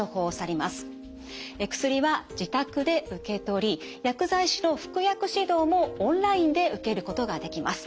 薬は自宅で受け取り薬剤師の服薬指導もオンラインで受けることができます。